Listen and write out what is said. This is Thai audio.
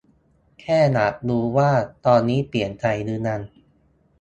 แค่อยากรู้ว่า ตอนนี้เปลี่ยนใจหรือยัง